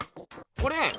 これ？